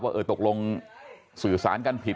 เออตกลงสื่อสารกันผิด